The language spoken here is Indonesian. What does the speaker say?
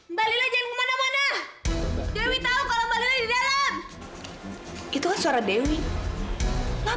mbak lila jangan kemana mana